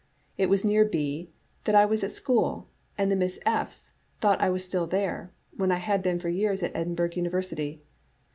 It was near B that I was at school, and the Miss F. *s thought I was still there, when I had been for years at Edinburgh University.